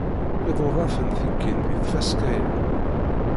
Iduḍaf n tikkin di tfaska-a.